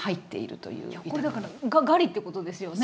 これだからガリってことですよね？